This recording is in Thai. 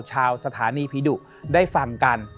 ชาวสถานีผีดุได้ฟังกัน